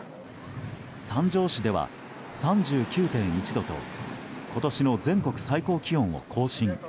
三条市では３９．１度と今年の全国最高気温を更新。